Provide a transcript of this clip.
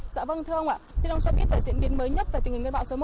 dạ vâng thưa ông ạ xin ông cho biết tại diễn biến mới nhất về tình hình cơn bão số một